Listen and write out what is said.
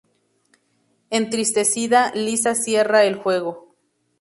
Entristecida, Lisa cierra el juego.